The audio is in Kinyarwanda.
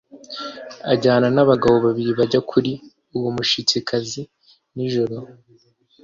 ajyana n’abagabo babiri bajya kuri uwo mushitsikazi nijoro